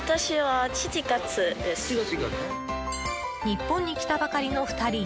日本に来たばかりの２人。